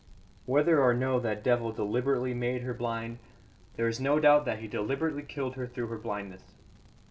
"Whether or no that devil deliberately made her blind, there is no doubt that he deliberately killed her through her blindness.